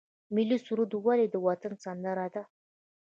ملي سرود ولې د وطن سندره ده؟